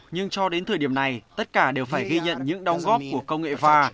nhưng cho đến thời điểm này tất cả đều phải ghi nhận những đóng góp của công nghệ fa